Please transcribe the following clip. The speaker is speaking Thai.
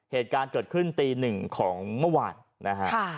เหตุการณ์เกิดขึ้นตีหนึ่งของเมื่อวานนะฮะ